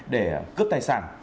để cướp tài sản